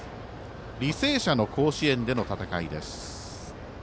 履正社の甲子園での戦いです。